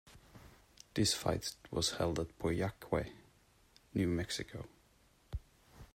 This fight was held at Pojoaque, New Mexico.